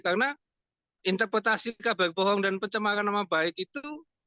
karena interpretasi kabar bohong dan pencemaran nama baik itu